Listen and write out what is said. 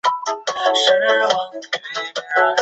他担任环保组织的主席。